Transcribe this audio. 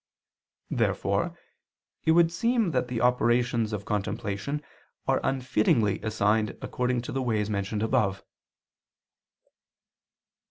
Therefore it would seem that the operations of contemplation are unfittingly assigned according to the ways mentioned above.